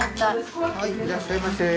はいいらっしゃいませ。